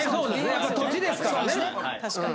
やっぱり土地ですからね。